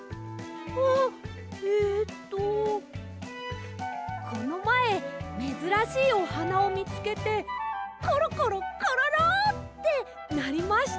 あえっとこのまえめずらしいおはなをみつけてコロコロコロロ！ってなりました。